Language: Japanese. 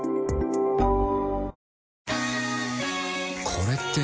これって。